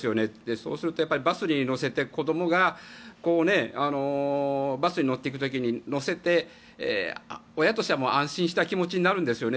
そうすると、バスに乗せて子どもがバスに乗っていく時に乗せて、親としては安心した気持ちになるんですよね。